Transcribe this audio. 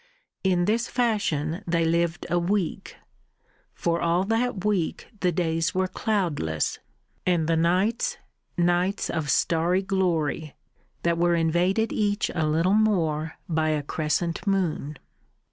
In this fashion they lived a week. For all that week the days were cloudless, and the nights nights of starry glory, that were invaded each a little more by a crescent moon.